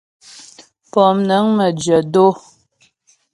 Pómnəŋ məjyə̂ dó.